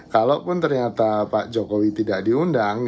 kalaupun ternyata pak jokowi tidak diundang